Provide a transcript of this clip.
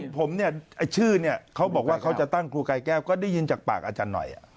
แต่ผมนี่ชื่อเค้าบอกว่าเค้าจะตั้งครูไกล้แก้วก็ได้ยินจากปากอาจารย์หน่อย